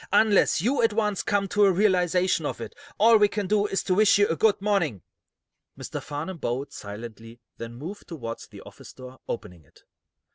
"Unless you at once come to a realization of it, all we can do is to wish you good morning." Mr. Farnum bowed, silently, then moved toward the office door, opening it.